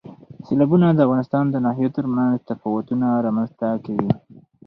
سیلابونه د افغانستان د ناحیو ترمنځ تفاوتونه رامنځ ته کوي.